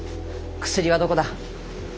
薬はどこだ。